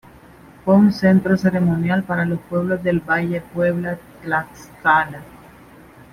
Fue un centro ceremonial para los pueblos del Valle Puebla-Tlaxcala.